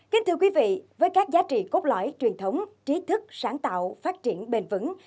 kính thưa quý vị với các giá trị cốt lõi truyền thống trí thức sáng tạo phát triển bền vững